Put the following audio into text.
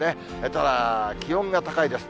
ただ、気温が高いです。